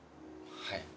はい。